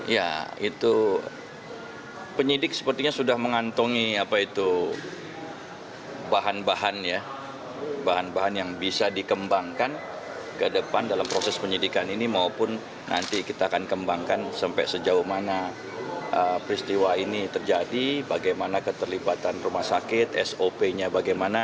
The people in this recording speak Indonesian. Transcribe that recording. ya itu penyidik sepertinya sudah mengantongi apa itu bahan bahan ya bahan bahan yang bisa dikembangkan ke depan dalam proses penyidikan ini maupun nanti kita akan kembangkan sampai sejauh mana peristiwa ini terjadi bagaimana keterlibatan rumah sakit sop nya bagaimana